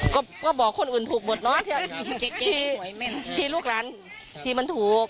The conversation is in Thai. ก็บอกคนอื่นทุกบทนะที่ลูกหรันที่มันถูก